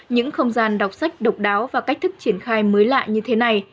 những không gian đọc sách độc đáo và cách thức triển khai mới lạ như thế này